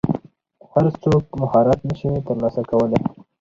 هر څوک مهارت نشي ترلاسه کولی.